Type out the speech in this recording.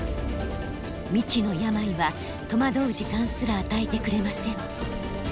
未知の病は戸惑う時間すら与えてくれません。